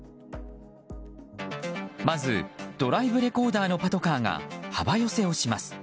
まずドライブレコーダーのパトカーが幅寄せをします。